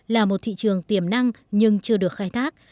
là một thị trường tiềm năng nhưng chưa được khai thác